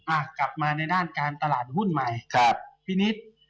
อ่ะกลับมาในด้านการตลาดหุ้นใหม่